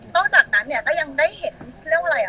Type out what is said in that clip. ร่วมจากนั้นก็ยังได้เห็นเรื่องอะไรอ่ะ